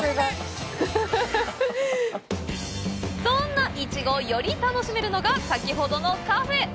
そんなイチゴをより楽しめるのが先ほどのカフェ。